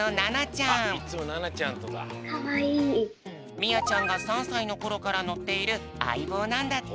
みあちゃんが３さいのころからのっているあいぼうなんだって。